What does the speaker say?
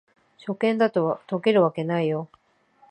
初見だと解けるわけないよ